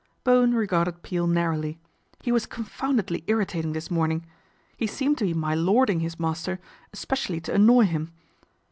Bowen regarded Peel narrowly. He was con foundedly irritating this morning. He seemed to be my lording his master specially to annoy him.